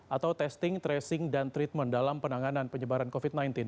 atau testing tracing dan treatment dalam penanganan penyebaran covid sembilan belas